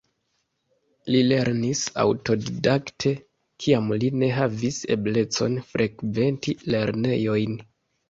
Li lernis aŭtodidakte, kiam li ne havis eblecon frekventi lernejojn.